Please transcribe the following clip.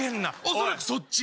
恐らくそっち。